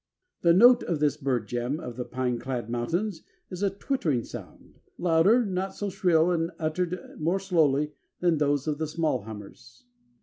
The note of this bird gem of the pine clad mountains is a "twittering sound, louder, not so shrill and uttered more slowly than those of the small hummers."